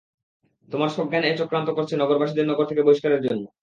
তোমরা সজ্ঞানে এ চক্রান্ত করেছ নগরবাসীদের নগর থেকে বহিষ্কারের জন্যে।